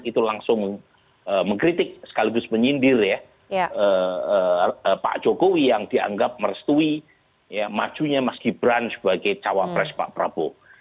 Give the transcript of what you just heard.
itu langsung mengkritik sekaligus menyindir ya pak jokowi yang dianggap merestui majunya mas gibran sebagai cawapres pak prabowo